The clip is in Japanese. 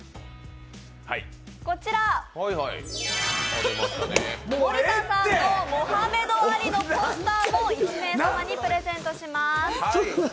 こちら、森田さんのモハメド・アリのポスターも１名様にプレゼントします。